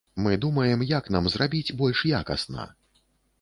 Мы думаем, як нам зрабіць больш якасна.